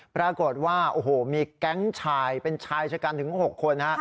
ปรากฏว่ามีแก๊งชายเป็นชายเฉกกันถึง๖คน